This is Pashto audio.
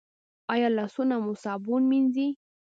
ایا لاسونه مو صابون مینځئ؟